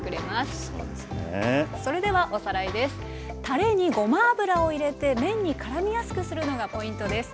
たれにごま油を入れて麺にからみやすくするのがポイントです。